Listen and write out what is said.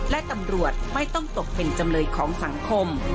และตำรวจไม่ต้องตกเป็นจำเลยของสังคม